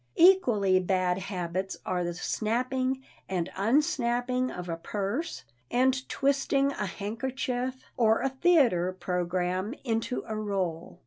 Equally bad habits are the snapping and unsnapping of a purse and twisting a handkerchief or a theater program into a roll.